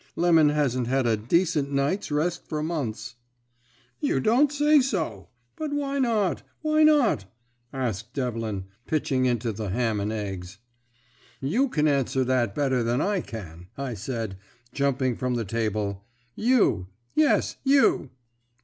'Lemon hasn't had a decent night's rest for months.' "'You don't say so! But why not, why not?' asked Devlin, pitching into the ham and eggs. "'You can answer that better than I can,' I said, jumping from the table; 'You; yes, you!'